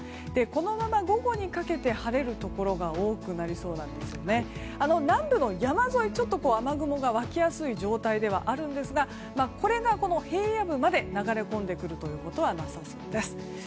このまま午後にかけて晴れるところが多くなりそうで南部の山沿い雨雲が湧きやすい状態にはなりますがこれが平野部まで流れ込んでくることはなさそうです。